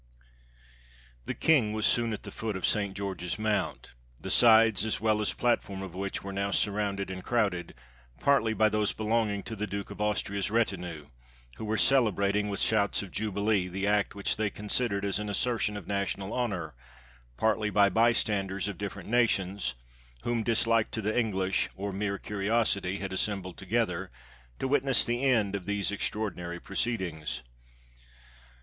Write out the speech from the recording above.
] The king was soon at the foot of St. George's Mount, the sides as well as platform of which were now sur rounded and crowded, partly by those belonging to the Duke of Austria's retinue, who were celebrating, with shouts of jubilee, the act which they considered as an assertion of national honor; partly by bystanders of different nations, whom dislike to the English, or mere curiosity, had assembled together, to witness the end of these extraordinary proceedings.